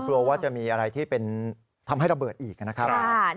กลัวว่าจะมีอะไรที่เป็นทำให้ระเบิดอีกนะครับ